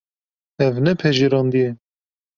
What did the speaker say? Ev ne pejirandî ye.